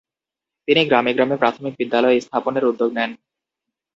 তিনি গ্রামে গ্রামে প্রাথমিক বিদ্যালয় স্থাপনের উদ্যোগ নেন।